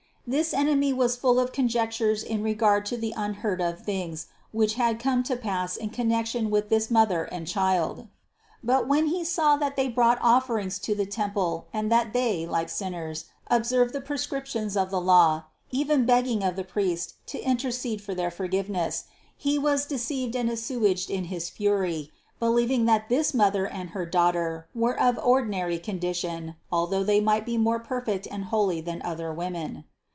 This enemy was full of conjectures in regard to the unheard of things, which had come to pass in connection with this Mother and Child. But when he saw that they brought offerings to the temple and that they, like sinners, observed the prescrip tions of the law, even begging of the priest to intercede for their forgiveness; he was deceived and assuaged in his fury, believing that this mother and her Daughter were of ordinary condition although they might be more perfect and holy than other women.